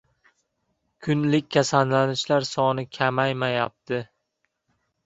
Kunlik kasallanishlar soni kamaymayapti